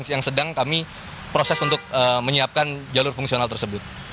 yang sedang kami proses untuk menyiapkan jalur fungsional tersebut